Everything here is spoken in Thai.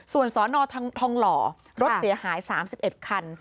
ส่วนสนทองหล่อรถเสียหาย๓๑คัน